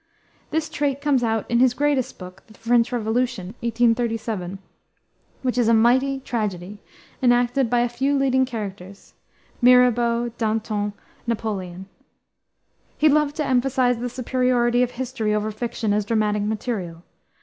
This trait comes out in his greatest book, The French Revolution, 1837, which is a mighty tragedy, enacted by a few leading characters, Mirabeau, Danton, Napoleon. He loved to emphasize the superiority of history over fiction as dramatic material.